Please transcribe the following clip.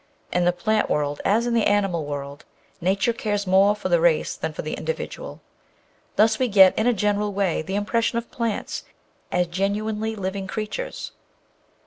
In the plant world as in the animal world Nature cares more for the race than for the individual. Thus we get in a general way the impres sion of plants as genuinely living creatures.